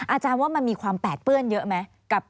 อาจารย์ว่ามันมีความแปดเปื้อนเยอะไหม